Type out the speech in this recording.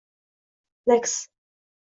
lex